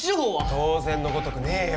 当然のごとくねえよ。